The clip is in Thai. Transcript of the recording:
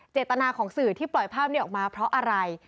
เจตนาของสื่อที่ปล่อยภาพนี้ออกมาเพราะอะไร